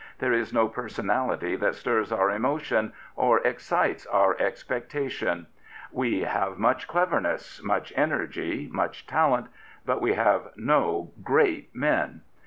There is no personality that stirs our emotion, or excites our expectation. We have much cleverness, much energy, much talent ; but we have no great men.